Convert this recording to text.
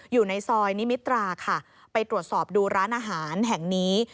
อยู่ในซอยนิมิตราค่ะไปตรวจสอบดูร้านอาหารแห่งนี้